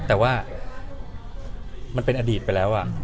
แต่ว่ามันเป็นอดีตไปแล้ว